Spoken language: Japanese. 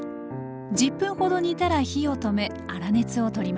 １０分ほど煮たら火を止め粗熱を取ります